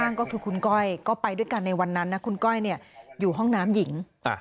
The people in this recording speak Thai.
นั่นก็คือคุณก้อยก็ไปด้วยกันในวันนั้นนะคุณก้อยอยู่ห้องน้ำหญิง